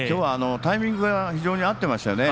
タイミングが非常に合ってましたね。